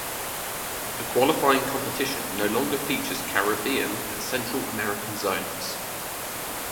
The qualifying competition no longer features Caribbean and Central American zones.